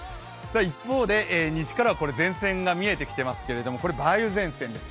一方で西からは前線が見えてきていますけれどもこれ梅雨前線です